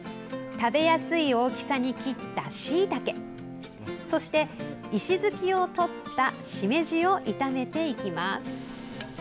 食べやすい大きさに切ったしいたけそして、石突きを取ったしめじを炒めていきます。